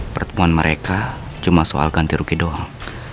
pertemuan mereka cuma soal ganti rugi doang